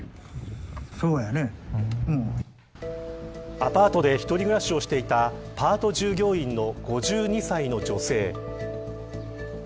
アパートで一人暮らしをしていたパート従業員の５２歳の女性。